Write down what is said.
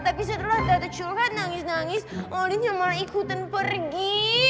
tapi setelah tata curhat nangis nangis olin cuma ikutan pergi